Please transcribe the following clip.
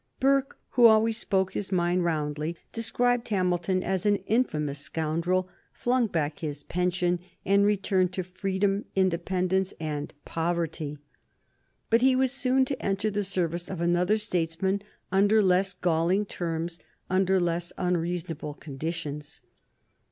Burke, who always spoke his mind roundly, described Hamilton as an infamous scoundrel, flung back his pension and returned to freedom, independence, and poverty. But he was soon to enter the service of another statesman under less galling terms, under less unreasonable conditions.